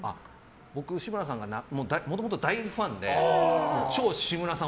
僕、志村さんの大ファンで超志村さん